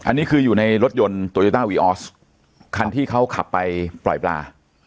อันนี้คืออยู่ในรถยนต์โตโยต้าวีออสคันที่เขาขับไปปล่อยปลา